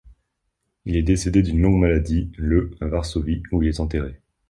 Il est décédé d'une longue maladie le à Varsovie, où il est enterré.